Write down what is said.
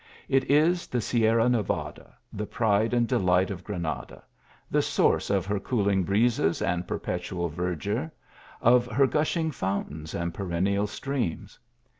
It is the Sierra Nevada, the pride and delight of Granada ; the source of her cooling breezes and perpetual verdure, of her gushing foun tains and perennial streams.